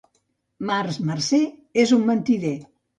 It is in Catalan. Març, marcer, és un mentider.